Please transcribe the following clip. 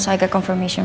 agar kalau jadi nanti